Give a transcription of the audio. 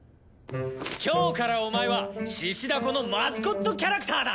今日からお前は獅子だこのマスコットキャラクターだ！